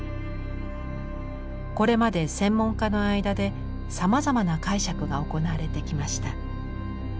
これまで専門家の間でさまざまな解釈が行われてきました。